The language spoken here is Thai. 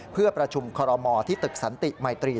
เพื่อประชุมคอลอมอร์ที่ตึกสันติใหม่ตรี